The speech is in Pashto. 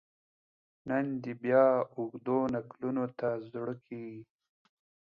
نن دي بیا اوږدو نکلونو ته زړه کیږي